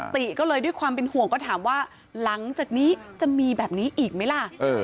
ติก็เลยด้วยความเป็นห่วงก็ถามว่าหลังจากนี้จะมีแบบนี้อีกไหมล่ะ